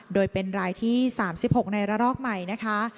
โดยเป็นรายที่๓๖ในระลอกใหม่นะคะ